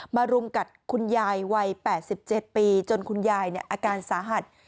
รุมกัดคุณยายวัย๘๗ปีจนคุณยายอาการสาหัส